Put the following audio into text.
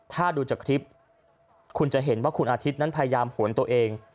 ถ้าดูจากคลิปคุณจะเห็นว่าคุณอาทิตย์นั้นพยายามหวนตัวเอง